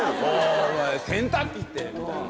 「洗濯機って」みたいな。